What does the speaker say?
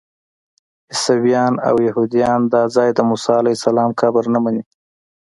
عیسویان او یهودیان دا ځای د موسی علیه السلام قبر نه مني.